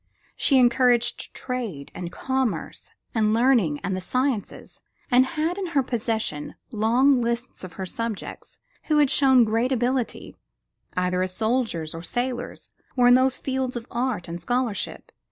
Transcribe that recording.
She encouraged trade and commerce and learning and the sciences, and had in her possession long lists of her subjects who had shown great ability, either as soldiers or sailors, or in the fields of art and scholarship.